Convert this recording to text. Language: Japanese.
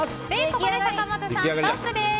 ここで坂本さん、ストップです。